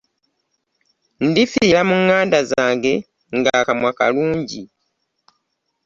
Ndifiira mu ŋŋanda zange nga akamwa kalungi .